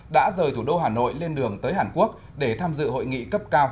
đã rời thủ đô hà nội lên đường tới hàn quốc để tham dự hội nghị cấp cao